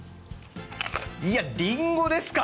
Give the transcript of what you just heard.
いやリンゴですか！